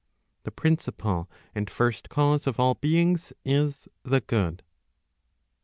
The principle and first cause of all beings is the good.